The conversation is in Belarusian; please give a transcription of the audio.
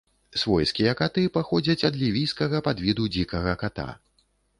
Свойскія каты паходзяць ад лівійскага падвіду дзікага ката.